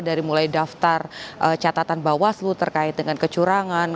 dari mulai daftar catatan bawaslu terkait dengan kecurangan